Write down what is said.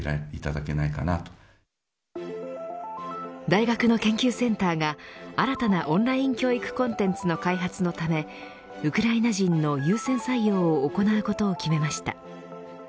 大学の研究センターが新たなオンライン教育コンテンツの開発のためウクライナ人の優先採用を行うことを決めました。